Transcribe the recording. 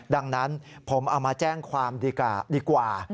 ดังนั้นผมเอามาแจ้งความดีกว่า